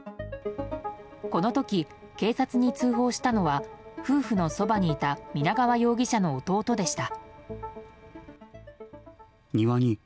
この時、警察に通報したのは夫婦のそばにいた皆川容疑者の弟でした。